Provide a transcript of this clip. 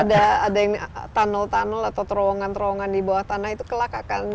dan ada yang tunnel tunnel atau terowongan terowongan di bawah tanah itu kelak akan seperti apa gitu